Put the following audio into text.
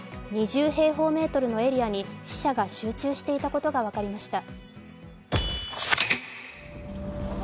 ２０平方メートルのエリアに死者が集中していたことが分かりました。